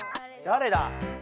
だれだ？